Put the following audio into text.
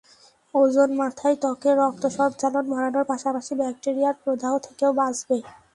Ozone মাথার ত্বকে রক্ত সঞ্চালন বাড়ানোর পাশাপাশি ব্যাকটেরিয়ার প্রদাহ থেকেও বাঁচাবে।